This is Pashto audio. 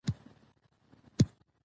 جمله د وینا برخه ده.